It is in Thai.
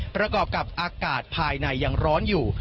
ประกอบกับอากาศภายในยังร้อนอยู่